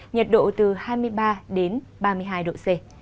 nhiệt độ từ hai mươi ba đến ba mươi hai độ c